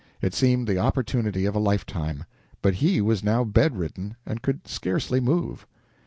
It seemed the opportunity of a lifetime, but he was now bedridden and could scarcely move.